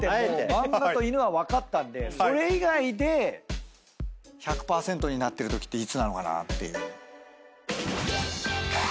漫画と犬は分かったんでそれ以外で１００％になってるときっていつなのかなっていう。